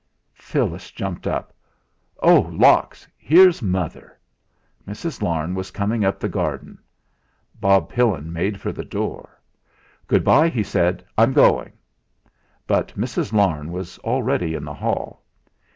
Phyllis jumped up. "Oh! Lawks! Here's mother!" Mrs. Larne was coming up the garden. Bob Pillin made for the door. "Good bye," he said; "I'm going." But Mrs. Larne was already in the hall.